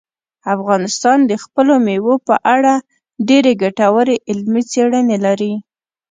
افغانستان د خپلو مېوو په اړه ډېرې ګټورې علمي څېړنې لري.